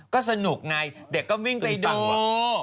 ก็สนุกไงเด็กก็วิ่งไปดู